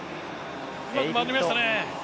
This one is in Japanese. うまくまとめましたね。